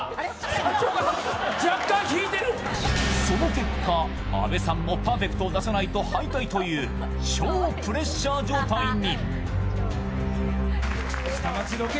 その結果、阿部さんもパーフェクトを出さないと敗退という超プレッシャー状態に。